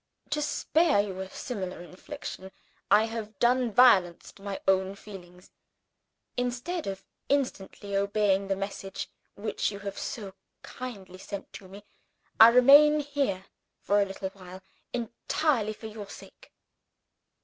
To spare you a similar infliction, I have done violence to my own feelings. Instead of instantly obeying the message which you have so kindly sent to me, I remain here for a little while entirely for your sake."